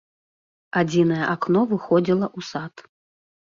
Адзінае акно выходзіла ў сад.